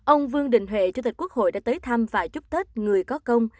ông vương đình huệ chủ tịch quốc hội đã tới thăm và chúc tết người có công